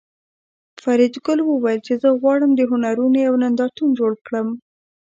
فریدګل وویل چې زه غواړم د هنرونو یو نندارتون جوړ کړم